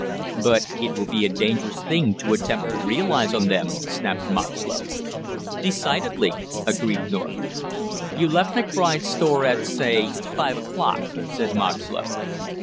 "But it will be a dangerous thing, to attempt to realize on them," snapped Moxlow. "Decidedly," agreed North. "You left McBride's store at, say, five o'clock?" said Moxlow.